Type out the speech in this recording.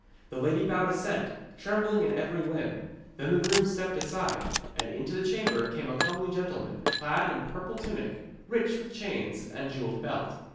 The lady bowed assent, trembling in every limb. Then the groom stepped aside, and into the chamber came a comely gentleman, clad in purple tunic, rich with chains and jewelled belt.